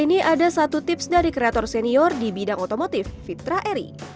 ini ada satu tips dari kreator senior di bidang otomotif fitra eri